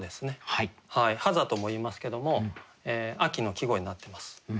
「はざ」とも言いますけども秋の季語になってます。